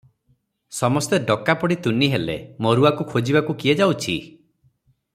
ସମସ୍ତେ ଡକା ପଡ଼ି ତୁନି ହେଲେ, ମରୁଆକୁ ଖୋଜିବାକୁ କିଏ ଯାଉଛି?